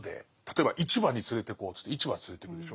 例えば市場に連れてこうっつって市場に連れてくでしょう。